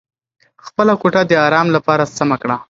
خپله کوټه د ارام لپاره سمه کړه.